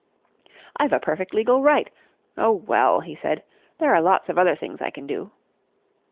"I've a perfect legal right.... Oh well," he said, "there are lots of other things I can do!"